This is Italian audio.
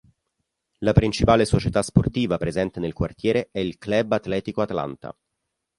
La principale società sportiva presente nel quartiere è il Club Atlético Atlanta.